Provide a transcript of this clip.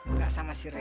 nggak sama si rere